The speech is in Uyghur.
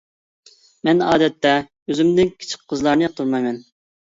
مەن ئادەتتە ئۆزۈمدىن كىچىك قىزلارنى ياقتۇرمايمەن.